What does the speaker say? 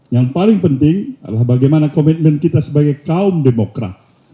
yang paling penting adalah bagaimana komitmen kita sebagai kaum demokrat